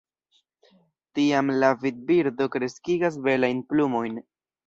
Tiam la virbirdo kreskigas belajn plumojn.